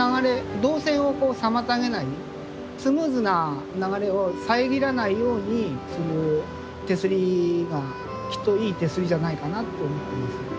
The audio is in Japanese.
動線を妨げないスムーズな流れを遮らないようにする手すりがきっといい手すりじゃないかなと思ってます。